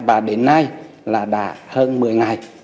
và đến nay là đã hơn một mươi ngày